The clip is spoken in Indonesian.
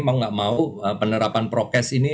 menggak mau penerapan prokes ini